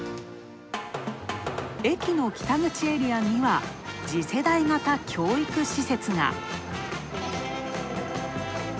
駅の北口エリアには次世代型教育施設が。